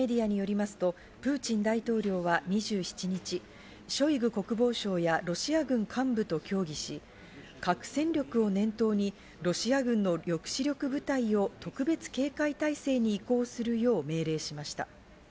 ロシアメディアによりますとプーチン大統領は２７日、ショイグ国防相やロシア軍幹部と協議し、核戦力を念頭にロシア軍の抑止力部隊を特別警戒態勢に移行するよう命令しました。